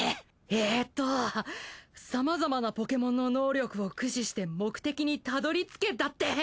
えっとさまざまなポケモンの能力を駆使して目的にたどり着けだって。